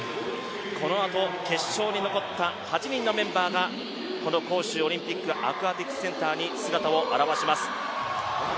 このあと決勝に残った８人のメンバーがこの杭州オリンピックアクアティクスセンターに姿を現します。